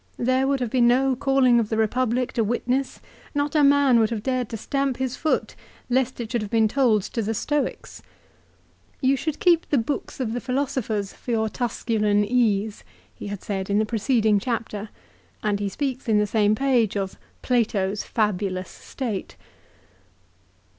There would have been no calling of the Ke public to witness ; not a man would have dared to stamp his foot, lest it should have been told to the Stoics." 1 " You should keep the books of the philosophers for your 1 De Oratore, lib. i. ca. liii. VOL. II. Z 338 LIFE OF CICERO. Tusculau ease " he had said in the preceding chapter ; and he speaks, in the same page, of "Plato's fabulous State."